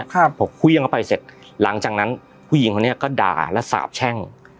ครับพอเครื่องเข้าไปเสร็จหลังจากนั้นผู้หญิงคนนี้ก็ด่าและสาบแช่ง